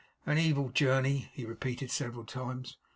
'An evil journey,' he repeated several times.